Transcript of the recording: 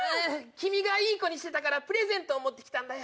君がいい子にしてたからプレゼントを持ってきたんだよ